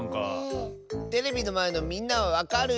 テレビのまえのみんなはわかる？